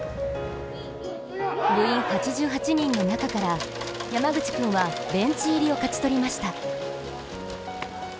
部員８８人の中から、山口君はベンチ入りを勝ち取りました。